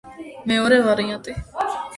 მეორე ვარიანტი.